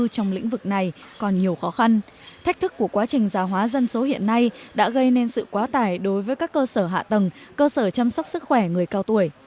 còn nhiều khó khăn thách thức của quá trình giả hóa dân số hiện nay đã gây nên sự quá tải đối với các cơ sở hạ tầng cơ sở chăm sóc sức khỏe người cao tuổi